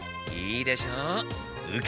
いいでしょう。